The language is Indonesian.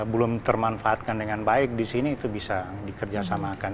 belum termanfaatkan dengan baik disini itu bisa dikerjasamakan